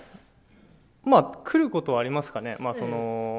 まあ、来ることはありますかね。